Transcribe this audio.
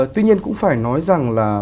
tuy nhiên cũng phải nói rằng là